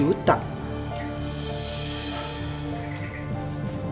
buku tabungan siapa ini